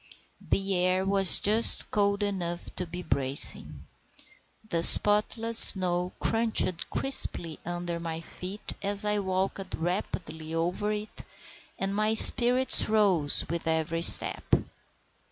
The air was just cold enough to be bracing. The spotless snow crunched crisply under my feet as I walked rapidly over it, and my spirits rose with every step.